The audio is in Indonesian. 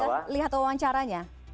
tapi sudah lihat wawancaranya